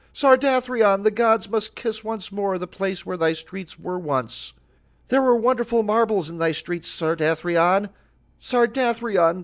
"Sardathrion, the gods must kiss once more the place where thy streets were once. "There were wonderful marbles in thy streets, Sardathrion."